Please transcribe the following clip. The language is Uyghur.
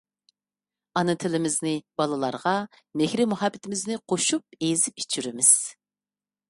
ئانا تىلىمىزنى بالىلارغا مېھىر-مۇھەببىتىمىزنى قوشۇپ ئېزىپ ئىچۈرىمىز.